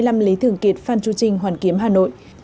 ở hai mươi năm lý thường kiệt phan chu trinh hoàn kiếm hà nội